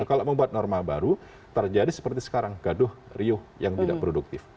kalau membuat norma baru terjadi seperti sekarang gaduh riuh yang tidak produktif